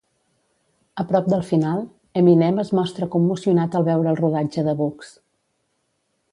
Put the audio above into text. A prop del final, Eminem es mostra commocionat al veure el rodatge de Bugz.